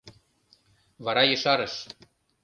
Вара ешарыш: